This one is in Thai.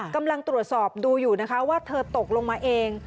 กำลังตรวจสอบดูอยู่นะคะว่าเธอตกลงมาเอง